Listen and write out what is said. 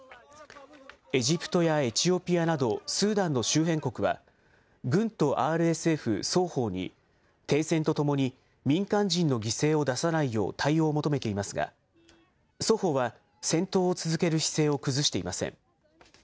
エジプトやエチオピアなどスーダンの周辺国は、軍とＲＳＦ双方に、停戦とともに民間人の犠牲を出さないよう対応を求めていますが、双方は戦闘を続ける姿勢を崩していません。